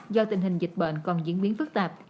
do tình hình dịch bệnh còn diễn biến phức tạp